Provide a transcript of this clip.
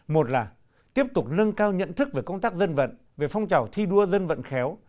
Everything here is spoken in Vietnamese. một là tiếp tục nâng cao nhận thức về công tác dân vận về phong trào thi đua dân vận khéo